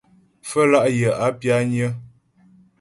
Pfə́lá' yə̀ a pyányə́.